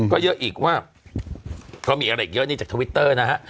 ก็เยอะอีกว่าเพราะมีอะไรอีกเยอะนี่จากทวิตเตอร์นะฮะ